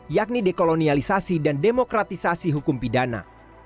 yakni dekolonialisasi dan demokratisasi hukum pidana